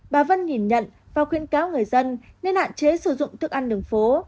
bà vân nhìn nhận và khuyên cáo người dân nên hạn chế sử dụng thức ăn đường phố